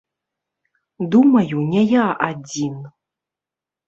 Думаю, не я адзін.